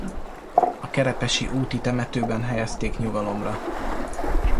A Kerepesi úti temetőben helyezték nyugalomra.